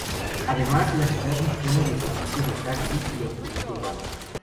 Además, la ciudad dispone de servicio de taxi y autobús urbano.